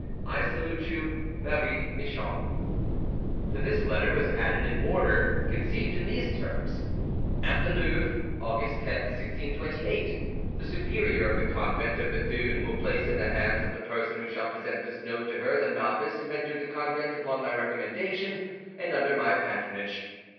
"I salute you, "MARIE MICHON" To this letter was added an order, conceived in these terms: "At the Louvre, August 10, 1628 "The superior of the convent of Béthune will place in the hands of the person who shall present this note to her the novice who entered the convent upon my recommendation and under my patronage.